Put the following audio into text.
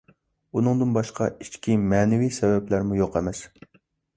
ئۇندىن باشقا، ئىچكى مەنىۋى سەۋەبلەرمۇ يوق ئەمەس.